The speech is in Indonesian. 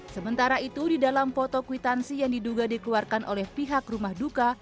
sementara itu di dalam foto kwitansi yang diduga dikeluarkan oleh pihak rumah duka